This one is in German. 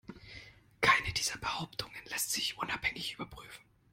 Keine dieser Behauptungen lässt sich unabhängig überprüfen.